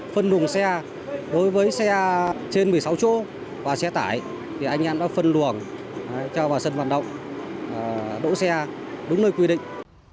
phân luồng xe đối với xe trên một mươi sáu chỗ và xe tải thì anh em đã phân luồng cho vào sân vận động đỗ xe đúng nơi quy định